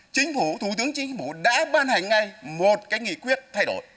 chính phủ thủ tướng chính phủ đã ban hành ngay một cái nghị quyết thay đổi